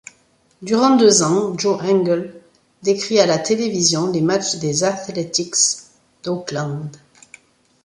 Durant deux ans, Joe Angel décrit à la télévision les matchs des Athletics d'Oakland.